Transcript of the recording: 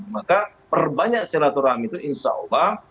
maka perbanyak silaturahmi itu insya allah